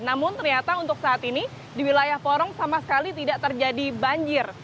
namun ternyata untuk saat ini di wilayah porong sama sekali tidak terjadi banjir